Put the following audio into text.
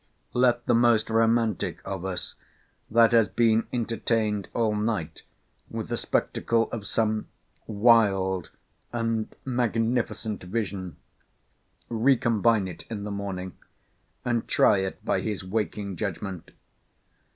Let the most romantic of us, that has been entertained all night with the spectacle of some wild and magnificent vision, recombine it in the morning, and try it by his waking judgment.